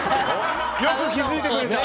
よく気づいてくれた。